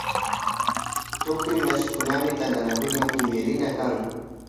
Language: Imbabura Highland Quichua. Tukuy mashikunami tantanakuyma kimirina kan